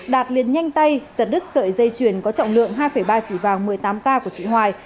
đạt liền nhanh tay giật đứt sợi dây chuyền có trọng lượng hai ba chỉ vàng một mươi tám k của chị hoài